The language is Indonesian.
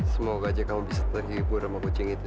semoga aja kamu bisa terhibur sama kucing itu